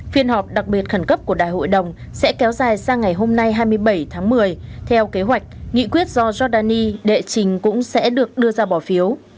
phiên họp đặc biệt khẩn cấp của đại hội đồng sẽ kéo dài sang ngày hôm nay hai mươi bảy tháng một mươi theo kế hoạch nghị quyết do giordani đệ trình cũng sẽ được đưa ra bỏ phiếu